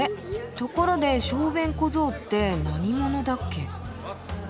ところで小便小僧って何者だっけ？